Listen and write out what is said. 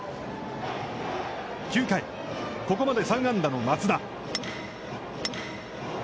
９回、ここまで３安打の松田。